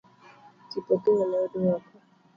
Kipokeo ne oduoko